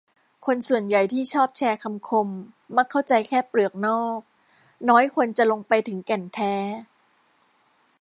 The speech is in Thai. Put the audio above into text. คนส่วนใหญ่ที่ชอบแชร์คำคมมักเข้าใจแค่เปลือกนอก น้อยคนจะลงไปถึงแก่นแท้